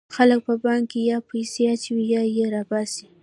خلک په بانک کې یا پیسې اچوي یا یې را باسي.